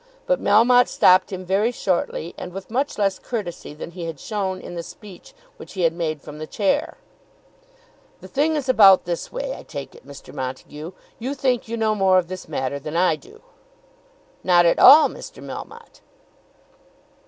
But Melmotte stopped him very shortly, and with much less courtesy than he had shown in the speech which he had made from the chair. "The thing is about this way, I take it, Mr. Montague; you think you know more of this matter than I do." "Not at all, Mr. Melmotte."